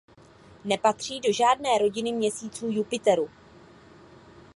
Nepatří do žádné rodiny měsíců Jupiteru.